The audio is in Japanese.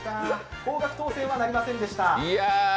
高額当選はなりませんでした。